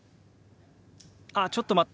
「ああちょっと待って。